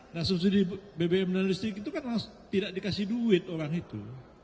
nah subsidi bbm dan listrik itu kan tidak dikasih duit orang itu